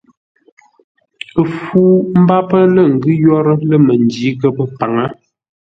Ə́ fú mbápə́ lə̂ ngʉ́ yórə́ lə̂ məndǐ ghəpə́-paŋə́.